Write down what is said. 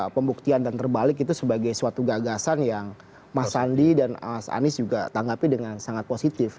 pembuktian dan terbalik itu sebagai suatu gagasan yang mas sandi dan mas anies juga tanggapi dengan sangat positif